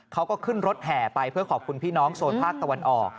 เขาก็ขึ้นรถแห่ไปเพื่อขอบคุณพี่น้องโซนภาคตะวันออก